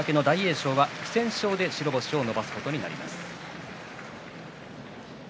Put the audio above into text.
翔は不戦勝で白星を伸ばすことになります。